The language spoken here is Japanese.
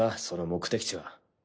その目的地は。